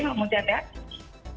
enggak mau cat cat